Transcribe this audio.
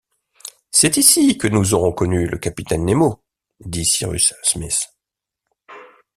C’est ici que nous aurons connu le capitaine Nemo, dit Cyrus Smith.